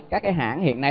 các cái hãng hiện nay